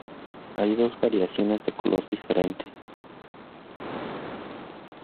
Hay dos variaciones de color diferente.